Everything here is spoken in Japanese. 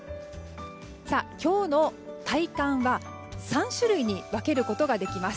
今日の体感は３種類に分けることができます。